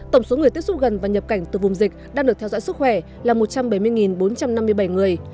tổng số người tiếp xúc gần và nhập cảnh từ vùng dịch đang được theo dõi sức khỏe là một trăm bảy mươi bốn trăm năm mươi bảy người